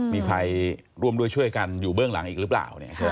มีใครร่วมด้วยช่วยกันอยู่เบื้องหลังอีกหรือเปล่า